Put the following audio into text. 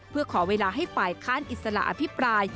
เพื่อขอเวลาให้ฝ่ายค้านอิสระอภิปราย